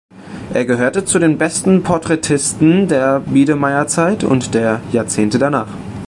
Er gehörte zu den besten Porträtisten der Biedermeierzeit und der Jahrzehnte danach.